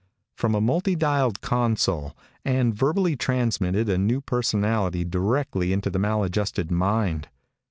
From a multi dialed console Ann verbally transmitted a new personality directly into the maladjusted mind.